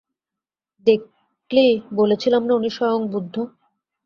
দেখলি, বলেছিলাম না উনি স্বয়ং বুদ্ধ!